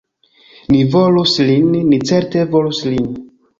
Ni volus lin, ni certe volus lin